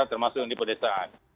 termasuk yang di pedesaan